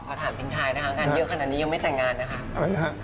พอถามทิ้งท้ายนะคะงานเยอะขนาดนี้ยังไม่แต่งงานนะคะ